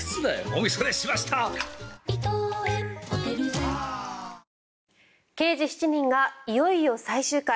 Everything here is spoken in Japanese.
ぷはーっ「刑事７人」がいよいよ最終回。